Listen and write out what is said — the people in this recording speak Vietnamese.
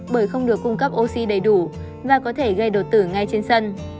bởi không được cung cấp oxy đầy đủ và có thể gây đột tử ngay trên sân